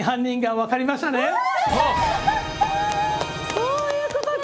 そういうことか！